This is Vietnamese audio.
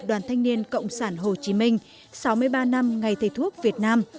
đoàn thanh niên cộng sản hồ chí minh sáu mươi ba năm ngày thầy thuốc việt nam